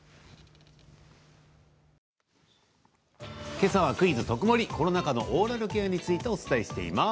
けさは「クイズとくもり」コロナ禍のオーラルケアについてお伝えしています。